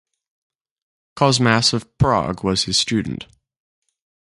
Cosmas of Prague was his student.